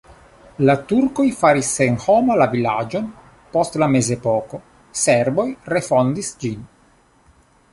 La turkoj faris senhoma la vilaĝon post la mezepoko, serboj refondis ĝin.